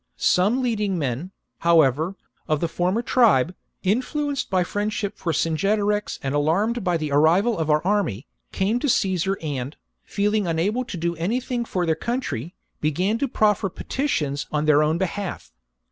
Some leading men, however, of the former tribe, influ enced by friendship for Cingetorix and alarmed by the arrival of our army, came to Caesar and, feeling unable to do anything for their country, began to proffer petitions on their own behalf.